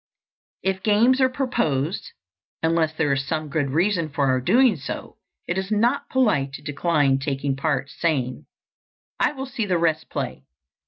If games are proposed, unless there is some good reason for our doing so, it is not polite to decline taking part, saying, "I will see the rest play."